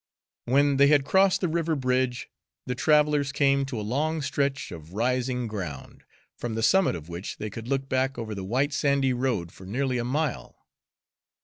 When they had crossed the river bridge, the travelers came to a long stretch of rising ground, from the summit of which they could look back over the white sandy road for nearly a mile.